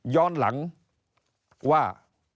ย้อนหลังว่า